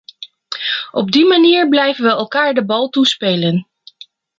Op die manier blijven we elkaar de bal toespelen.